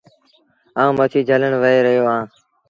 آئوٚنٚ مڇيٚ جھلڻ وهي رهيو اهآنٚ۔